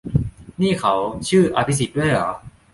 นี่เขาชื่ออภิสิทธิ์ด้วยเหรอ ?